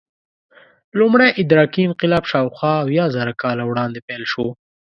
لومړی ادراکي انقلاب شاوخوا اویازره کاله وړاندې پیل شو.